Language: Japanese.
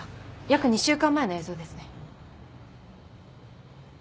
約２週間前の映像ですね。